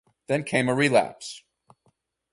Then came a relapse.